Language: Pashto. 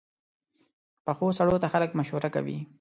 پخو سړو ته خلک مشوره کوي